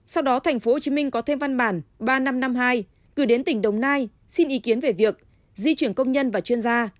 sau đó tp hcm có thêm văn bản ba nghìn năm trăm năm mươi hai gửi đến tỉnh đồng nai xin ý kiến về việc di chuyển công nhân và chuyên gia